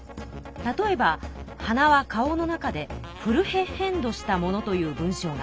例えば「鼻は顔の中でフルヘッヘンドしたもの」という文章がありました。